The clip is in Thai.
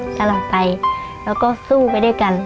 ตลอดไปแล้วก็สู้ไปด้วยกัน